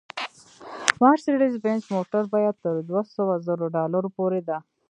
مارسېډیز بینز موټر بیه تر دوه سوه زرو ډالرو پورې ده